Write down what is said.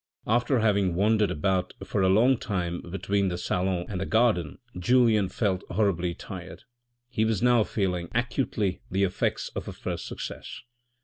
After having wandered about for a long time between the salon and the garden, Julien felt horribly tired ; he was now feeling acutely the effects of a first success.